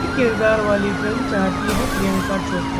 कई किरदार वाली फिल्म चाहती हैं प्रियंका चोपड़ा